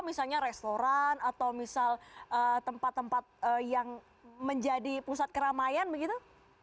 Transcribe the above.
misalnya restoran atau misal tempat tempat yang menjadi pusat keramaian begitu